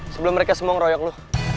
sebelum mereka semua ngeroyok loh